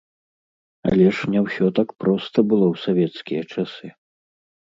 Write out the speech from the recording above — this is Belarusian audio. Але ж не ўсё так проста было ў савецкія часы.